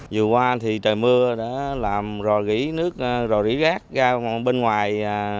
dù qua thì trời mưa đã làm rò rỉ rác ra bên ngoài